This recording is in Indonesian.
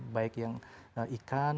baik yang ikan